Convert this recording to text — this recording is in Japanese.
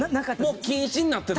もう禁止になってた？